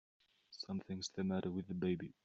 Something's the matter with the baby!